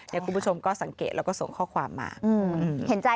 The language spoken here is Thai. อย่างคุณผู้ชมก็สังเกตแล้วก็ส่งข้อความมา